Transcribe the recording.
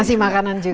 ini masih makanan juga